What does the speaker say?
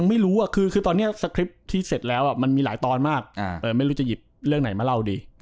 ไม่รู้จะหยิบเรื่องไหนมาเล่าดี